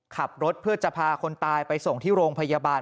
ขับรถเพื่อจะพาคนตายไปส่งที่โรงพยาบาล